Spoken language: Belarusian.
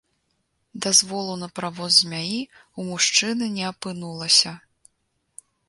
Дазволу на правоз змяі ў мужчыны не апынулася.